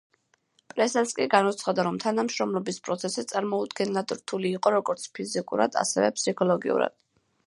პრესას კი განუცხადა, რომ თანამშრომლობის პროცესი წარმოუდგენლად რთული იყო როგორც ფიზიკურად ასევე ფსიქოლოგიურად.